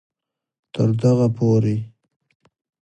تر دغه پورې